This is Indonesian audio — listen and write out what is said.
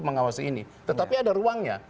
mengawasi ini tetapi ada ruangnya